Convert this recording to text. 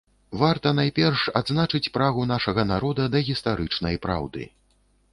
Варта, найперш, адзначыць прагу нашага народа да гістарычнай праўды.